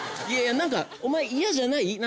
いやいやなんかお前イヤじゃない？